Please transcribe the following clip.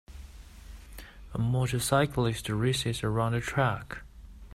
A motorcyclist races around a track.